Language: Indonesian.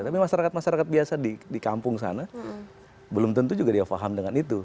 tapi masyarakat masyarakat biasa di kampung sana belum tentu juga dia paham dengan itu